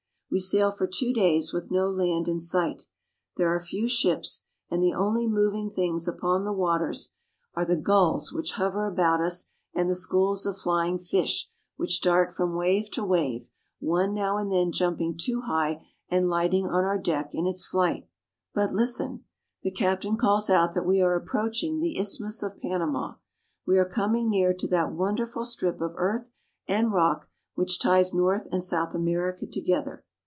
We sail for two days with no land in sight. There are few ships, and the only moving things upon the waters are I6 ISTHMUS OF PANAMA. the gulls which hover about us and the schools of flying fish which dart from wave to wave, one now and then jumping too high and lighting on our deck in its flight. But listen. The captain calls out that we are approach ing the Isthmus of Panama. We are coming near to that wonderful strip of earth and rock which ties North and South America together.